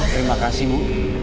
terima kasih ibu